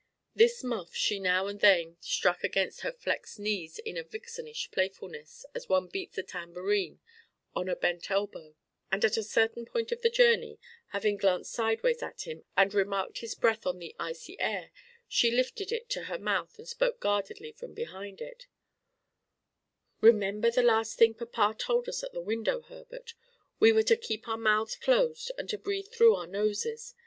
This muff she now and then struck against her flexed knees in a vixenish playfulness as one beats a tambourine on a bent elbow; and at a certain point of the journey, having glanced sidewise at him and remarked his breath on the icy air, she lifted it to her mouth and spoke guardedly from behind it: "Remember the last thing Papa told us at the window, Herbert: we were to keep our mouths closed and to breathe through our noses.